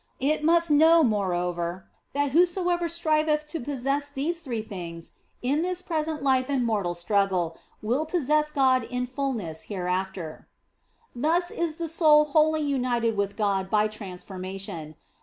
It must know, moreover, that whoso ever striveth to possess these three things in this present life and mortal struggle will possess God in fulness here after. Thus is the soul wholly united with God by trans formation.